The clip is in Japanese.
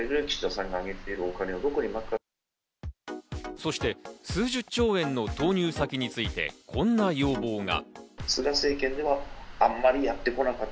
そして数十兆円の投入先について、こんな要望が。